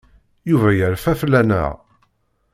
Yuba yerfa fell-aneɣ.